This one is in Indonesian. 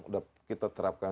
sudah kita terapkan